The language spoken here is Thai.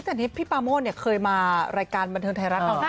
แต่พี่ปาม่วลเคยมารายการบันทึงไทยรัก